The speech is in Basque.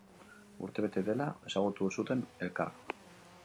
Urtebete dela ezagutu zuten elkar.